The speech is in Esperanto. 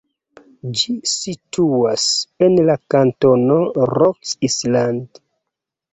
Ĝi situas en la kantono Rock Island.